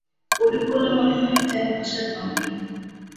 ঐরূপ করলে মনে হয়, যেন ভাষার দম নেই।